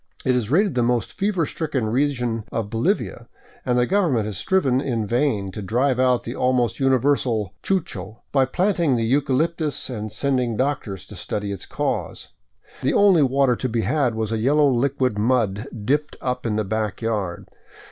It is rated the most fever stricken region of Bolivia, and the government has striven in vain to drive out the almost universal chucho by planting the eucalyp tus and sending doctors to study its cause. The only water to be had was a yellow liquid mud dipped up in the back yard.